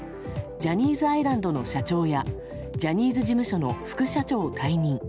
ジャニーズアイランドの社長やジャニーズ事務所の副社長を退任。